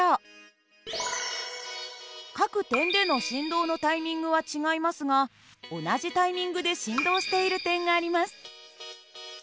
各点での振動のタイミングは違いますが同じタイミングで振動している点があります。